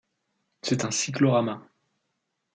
C'est un cyclorama.